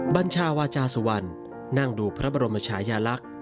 บัญชาวาจาสุวรรณนั่งดูพระบรมชายาลักษณ์